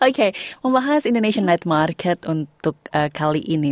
oke membahas indonesian night market untuk kali ini